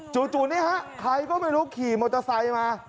นี่ฮะใครก็ไม่รู้ขี่มอเตอร์ไซค์มา